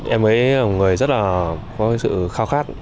em ấy là một người rất là có sự khao khát